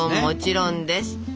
もちろんです！